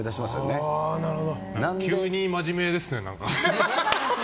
急に真面目ですね、何か。